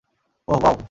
ওহ, wow!